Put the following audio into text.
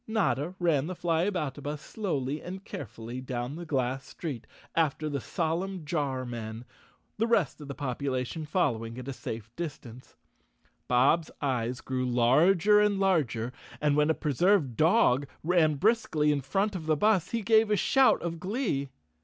Notta ran the Flyaboutabus slowly and carefully down the glass street after the solemn jar men, the rest of the population following at a safe distance. 210 Chapter Sixteen Bob's eyes grew larger and larger and when a pre¬ served dog ran briskly in front of the bus he gave a shout of glee.